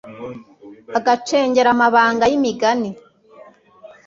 agacengera amabanga y'imigani